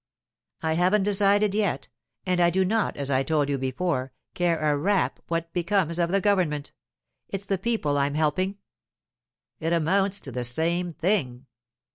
'I haven't decided yet. And I do not, as I told you before, care a rap what becomes of the government. It's the people I'm helping.' 'It amounts to the same thing.